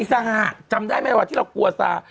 ซาจำได้ไหมว่าที่เรากลัวซา